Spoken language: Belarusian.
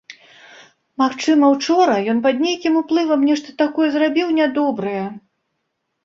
Магчыма, учора ён пад нейкім уплывам нешта такое зрабіў нядобрае.